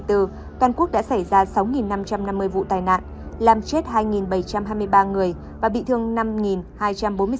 toàn quốc đã xảy ra sáu năm trăm năm mươi vụ tai nạn làm chết hai bảy trăm hai mươi ba người và bị thương năm hai trăm bốn mươi sáu người